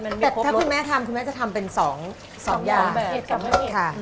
แต่ถ้าคุณแม่ทำคุณแม่จะทำเป็น๒อย่างค่ะ